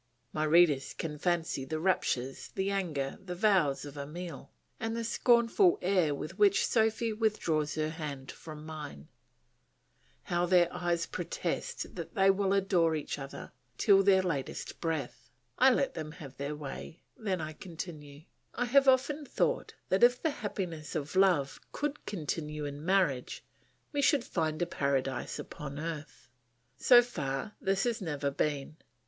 My readers can fancy the raptures, the anger, the vows of Emile, and the scornful air with which Sophy withdraws her hand from mine; how their eyes protest that they will adore each other till their latest breath. I let them have their way; then I continue: "I have often thought that if the happiness of love could continue in marriage, we should find a Paradise upon earth. So far this has never been.